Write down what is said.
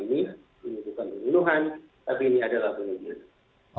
ini bukan pembunuhan tapi ini adalah bunuh diri